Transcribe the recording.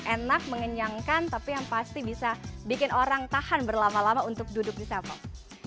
enak mengenyangkan tapi yang pasti bisa bikin orang tahan berlama lama untuk duduk di setfle